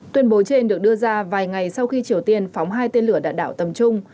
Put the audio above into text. tuyên bố trên được đưa ra vài ngày sau khi triều tiên phóng hai tên lửa đạn đạo tầm trung